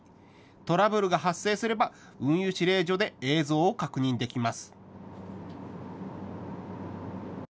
トラブルが発生すれば運輸司令所で映像を確認できます。